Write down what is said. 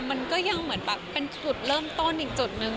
มันก็ยังเหมือนแบบเป็นจุดเริ่มต้นอีกจุดหนึ่ง